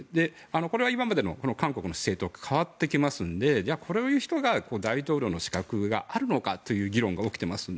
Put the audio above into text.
これは今までの韓国の姿勢と変わってきますのでこれを言う人が大統領の資格があるのかという議論が起きてます。